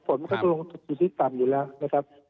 ฝนมันก็จะตรงที่ที่ต่ำอยู่แล้วนะครับ